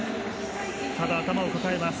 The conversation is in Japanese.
ただ、頭を抱えます。